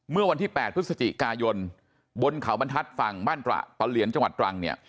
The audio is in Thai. เมื่อวันที่๘พฤศจิกายนบนเขาบรรทัศน์ฝั่งบ้านตระปะเหลียนจังหวัดตรังเนี่ย